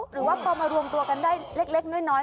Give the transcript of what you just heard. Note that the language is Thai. หรือว่าพอมารวมตัวกันได้เล็กน้อย